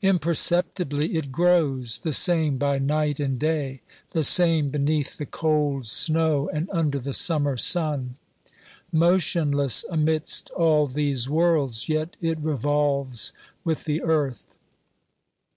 Im perceptibly it grows, the same by night and day, the same beneath the cold snow and under the summer sun. Motion less amidst all these worlds, yet it revolves with the earth.